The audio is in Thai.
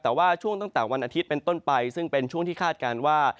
แต่ว่าช่วงตั้งแต่วันอาทิตย์เป็นต้นไปซึ่งเป็นช่วงที่คาดการณ์ว่า